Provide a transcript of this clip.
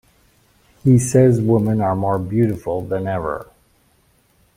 He says women are more beautiful than ever.